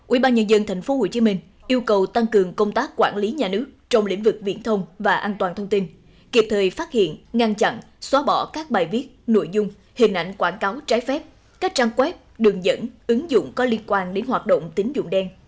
ủy ban nhân dân tp hồ chí minh yêu cầu tăng cường công tác quản lý nhà nước trong lĩnh vực viễn thông và an toàn thông tin kịp thời phát hiện ngăn chặn xóa bỏ các bài viết nội dung hình ảnh quảng cáo trái phép các trang web đường dẫn ứng dụng có liên quan đến hoạt động tín dụng đen